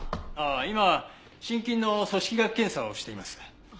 ああ今心筋の組織学検査をしています。